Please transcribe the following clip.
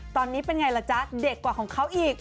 ตอนนี้เป็นไงล่ะจ๊ะเด็กกว่าของเขาอีก